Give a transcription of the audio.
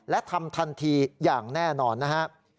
และทำทันทีอย่างแน่นอนนะครับ